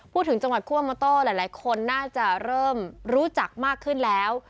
พูดถึงจังหวัดคั่วโมโต้หลายคนน่าจะเริ่มรู้จักมากขึ้นแล้ว